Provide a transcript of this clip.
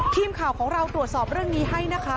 ทีมข่าวของเราตรวจสอบเรื่องนี้ให้นะคะ